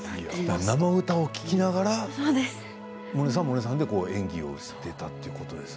生歌聴きながらを萌音さんは萌音さんで演技をしていたということですか？